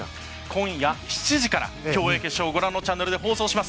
今夜７時から競泳決勝ご覧のチャンネルで放送します。